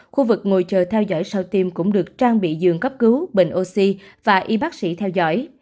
khu vực ngồi chờ theo dõi sau tiêm cũng được trang bị giường cấp cứu bình oxy và y bác sĩ theo dõi